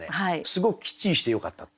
すごくきっちりしてよかった。